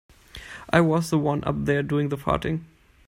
I was the one up there doing the farting.